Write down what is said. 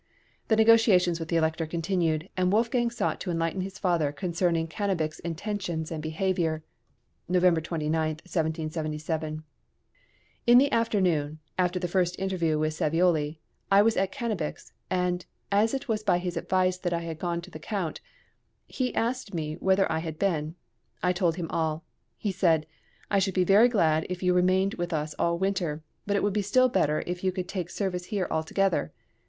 The negotiations with the Elector continued, and Wolfgang sought to enlighten his father concerning Cannabich's intentions and behaviour (November 29, 1777): In the afternoon (after the first interview with Savioli) I was at Cannabich's, and, as it was by his advice that I had gone to the Count, he asked me whether I had been. I told him all. He said, "I should be very glad if you remained with us all winter; but it would be still better if you could take service here altogether.